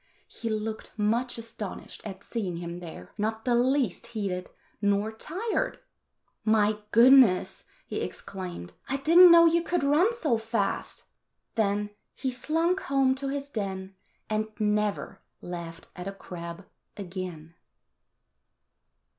He looked much astonished at seeing him there, not the least heated nor tired. "My goodness!" he exclaimed. "I did n't know you could run so fast." Then he slunk home to his den, and never laughed at a crab again.